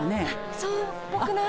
そうっぽくない？